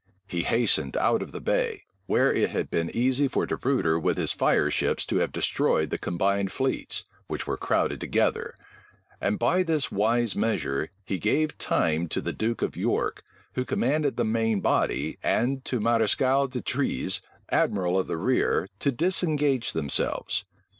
He hastened out of the bay, where it had been easy for De Ruyter with his fireships to have destroyed the combined fleets, which were crowded together; and by this wise measure, he gave time to the duke of York, who commanded the main body, and to Mareschal D'Etrées, admiral of the rear, to disengage themselves.